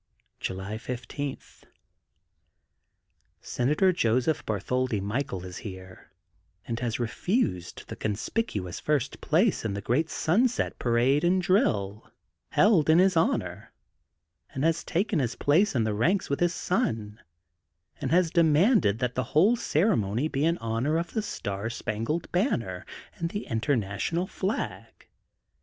'' Jnly 15: — Senator Joseph Bartholdi Michael is here and has refused the conspioa ons first place in the great snnset parade and drill held in his honor and has taken his place in the ranks with his son, and has demanded that the whole ceremony be in honor of the Star Spangled Banner and the International Flag.